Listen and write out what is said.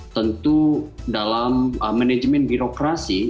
tentu dalam manajemen birokrasi